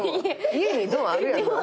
家にドアあるやんな？